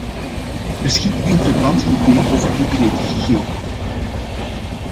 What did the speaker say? Beschikt u in verband hiermee over concrete gegevens?